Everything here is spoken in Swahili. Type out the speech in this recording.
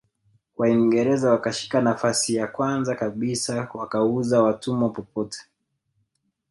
Waingereza wakashika nafasi ya kwanza kabisa wakauza watumwa popote